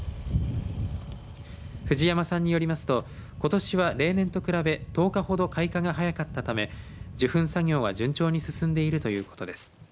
藤山さんによりますとことしは例年と比べ１０日ほど開花が早かったため受粉作業は順調に進んでいるということです。